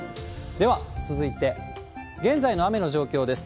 では、続いて現在の雨の状況です。